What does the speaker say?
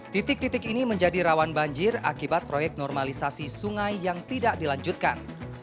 titik titik ini menjadi rawan banjir akibat proyek normalisasi sungai yang tidak dilanjutkan